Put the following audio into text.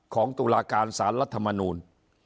ตุลาการสารรัฐมนูล